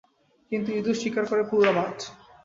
কিন্তু ইঁদুর শিকার করে পুরো মাঠ।